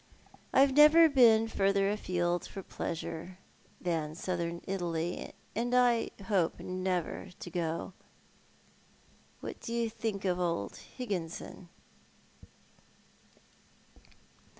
I have never been further aticld for pleasure than southern Italy, and I hope never to go. AVhat do you think of old Higginson ?" 62 Thou art the Man.